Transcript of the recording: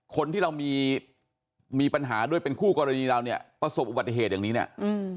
คนที่เรามีมีปัญหาด้วยเป็นคู่กรณีเราเนี่ยประสบอุบัติเหตุอย่างนี้เนี่ยอืม